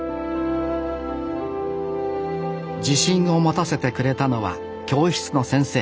自信を持たせてくれたのは教室の先生。